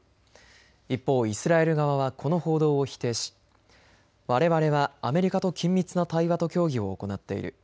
一方、イスラエル側はこの報道を否定しわれわれはアメリカと緊密な対話と協議を行っている。